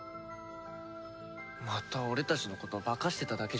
また俺たちのことを化かしてただけじゃないの？